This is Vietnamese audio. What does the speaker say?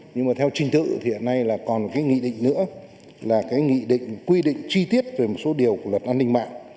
nhưng mà theo trình tự thì hiện nay là còn cái nghị định nữa là cái nghị định quy định chi tiết về một số điều của luật an ninh mạng